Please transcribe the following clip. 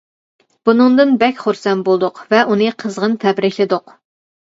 بۇنىڭدىن بەك خۇرسەن بولدۇق ۋە ئۇنى قىزغىن تەبرىكلىدۇق.